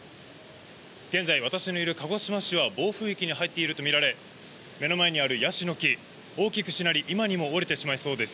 現在、私のいる鹿児島市は暴風域に入っていると見られ、目の前にあるやしの木、大きくしなり、今にも折れてしまいそうです。